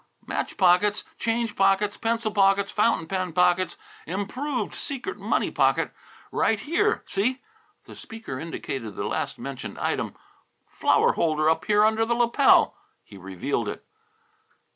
"Match pockets, change pockets, pencil pockets, fountain pen pockets, improved secret money pocket, right here; see?" The speaker indicated the last mentioned item. "Flower holder up here under the lapel." He revealed it.